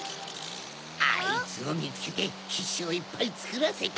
あいつをみつけてキッシュをいっぱいつくらせて。